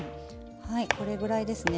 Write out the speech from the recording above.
これぐらいですね。